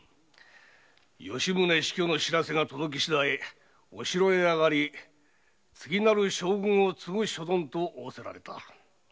吉宗死去の報らせが届きしだいお城へあがり次なる将軍を継ぐ所存と仰せられた。